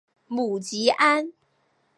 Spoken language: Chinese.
母吉安。